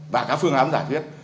và các phương án giải quyết